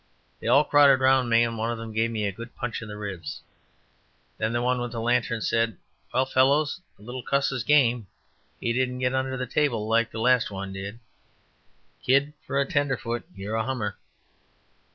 They all crowded around me and one of them gave me a good punch in the ribs. Then the one with the lantern said, "Well, fellows, the little cuss is game. He didn't get under the table like the last one did. Kid, for a tenderfoot, you're a hummer."